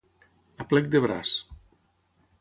A plec de braç.